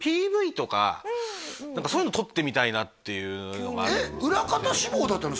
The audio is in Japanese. ＰＶとかそういうの撮ってみたいなっていうのがあって裏方志望だったの？